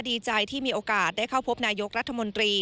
ดีใจที่มีโอกาสได้เข้าพบนายกรัฐมนตรี